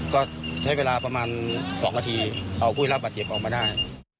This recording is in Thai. ก็ใช้เวลาประมาณ๒นาทีเอาผู้ได้รับบาดเจ็บออกมาได้